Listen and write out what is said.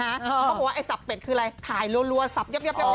เขาบอกว่าไอ้สับเป็ดคืออะไรถ่ายรัวสับยับ